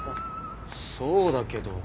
そうだけど。